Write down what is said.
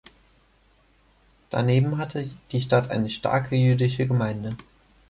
Daneben hatte die Stadt eine starke jüdische Gemeinde.